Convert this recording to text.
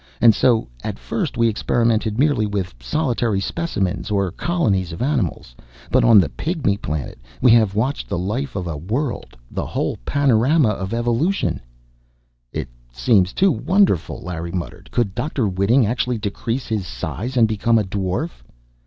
And so, at first, we experimented merely with solitary specimens or colonies of animals. "But on the Pygmy Planet, we have watched the life of a world the whole panorama of evolution ""It seems too wonderful!" Larry muttered. "Could Dr. Whiting actually decrease his size and become a dwarf?"